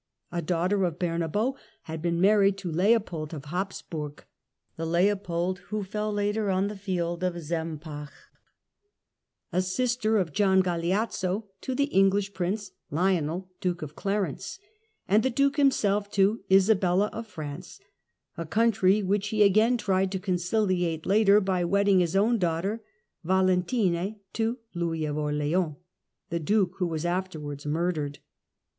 A!jmances daughter of Bernabo had been married to Leopold of Habsburg, the Leopold who fell later on the field of Sempach ; a sister of Gian Galeazzo to the English prince, Lionel Duke of Clarence, and the Duke himself to Isabella of France, a country which he again tried to conciliate later by wedding his own daughter Valen tine to Louis of Orleans, the Duke who was afterwards murdered.